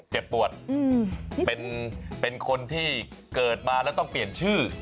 เจ็บปวดเป็นคนที่เกิดมาแล้วต้องเปลี่ยนชื่อ